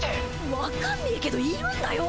わかんねえけどいるんだよ！